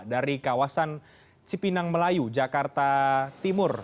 dari kawasan cipinang melayu jakarta timur